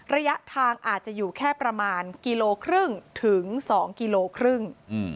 ระยะทางอาจจะอยู่แค่ประมาณกิโลครึ่งถึง๒กิโลครึ่ง